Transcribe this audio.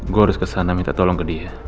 gue harus kesana minta tolong ke dia